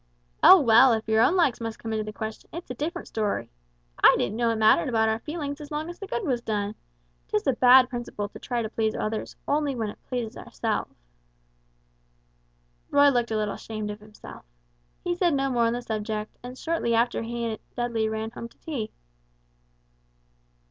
"Oh, well, if your own likes must come into the question, it's a different story! I didn't know it mattered about our feelings as long as the good is done! 'Tis a bad principle to try to please others only when it pleases ourselves." Roy looked a little ashamed of himself. He said no more on the subject, and shortly after he and Dudley ran home to tea.